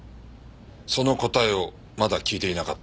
その答えをまだ聞いていなかった。